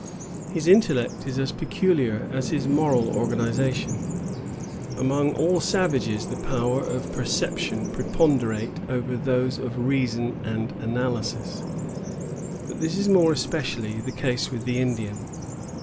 His intellect is as peculiar as his moral organization. Among all savages, the powers of perception preponderate over those of reason and analysis; but this is more especially the case with the Indian.